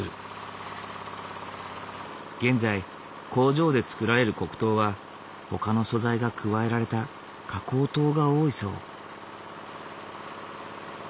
現在工場で作られる黒糖はほかの素材が加えられた加工糖が多いそう。